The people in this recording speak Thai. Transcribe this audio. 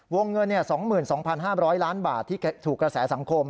วงเงิน๒๒๕๐๐ล้านบาทที่ถูกกระแสสังคม